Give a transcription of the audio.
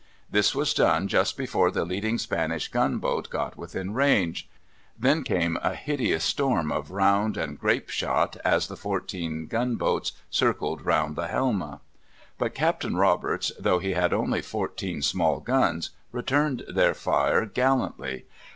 This was done just before the leading Spanish gunboat got within range; then came a hideous storm of round and grape shot as the fourteen gunboats circled round the Helma. But Captain Roberts, though he had only fourteen small guns, returned their fire gallantly.